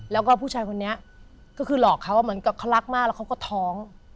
แล้วก็ผู้ชายคนนี้ก็คือหลอกเขาเหมือนกับเขารักมากแล้วเขาก็ท้อง